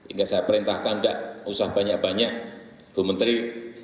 ini saya perintahkan enggak usah banyak banyak bapak menteri